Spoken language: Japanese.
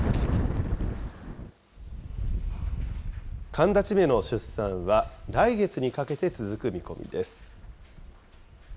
寒立馬の出産は、来月にかけて続く見込みです。